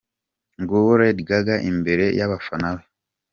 Nguwo Lady Gaga imbere y'abafana be.